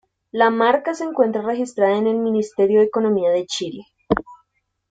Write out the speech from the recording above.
La marca se encuentra registrada en el Ministerio de Economía de Chile.